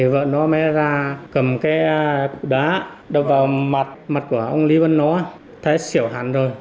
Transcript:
vợ nó mới ra cầm cái đá đập vào mặt mặt của ông lý văn nó thái xỉu hẳn rồi